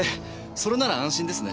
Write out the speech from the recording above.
それなら安心ですね。